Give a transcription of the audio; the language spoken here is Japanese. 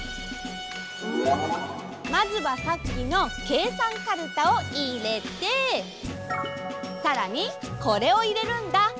まずはさっきのけいさんカルタをいれてさらにこれをいれるんだ。